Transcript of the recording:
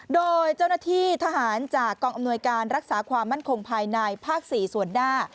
โดยเจ้าหน้าที่ทหารจากกองอำนวยการรักษาความมั่นคงภายในภาค๔ส่วนหน้า